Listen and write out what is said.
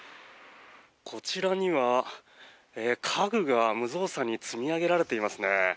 こちらには家具が無造作に積み上げられていますね。